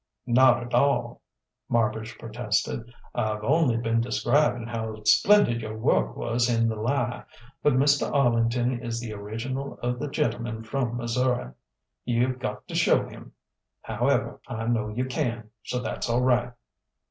"Not at all," Marbridge protested. "I've only been describing how splendid your work was in 'The Lie.' But Mr. Arlington is the original of the gentleman from Missouri: you've got to show him. However, I know you can so that's all right."